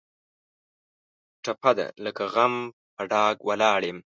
ټپه ده: لکه غنم په ډاګ ولاړ یم.